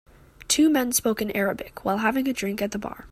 Two men spoke in Arabic while having a drink at the bar.